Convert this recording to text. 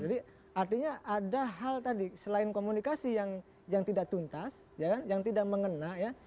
jadi artinya ada hal tadi selain komunikasi yang tidak tuntas yang tidak mengena ya